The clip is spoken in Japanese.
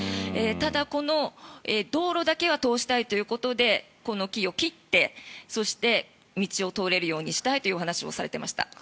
ただ、この道路だけは通したいということでこの木を切って道を通れるようにしたいというお話をされていました。